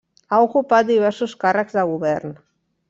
Ha ocupat diversos càrrecs de govern.